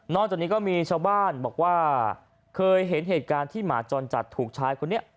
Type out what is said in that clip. จากนี้ก็มีชาวบ้านบอกว่าเคยเห็นเหตุการณ์ที่หมาจรจัดถูกชายคนนี้